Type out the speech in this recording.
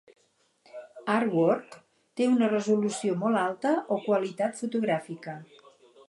Artwork té una resolució molt alta o qualitat fotogràfica.